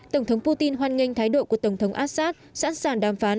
tổng thống putin hoan nghênh thái độ của tổng thống assad sẵn sàng đàm phán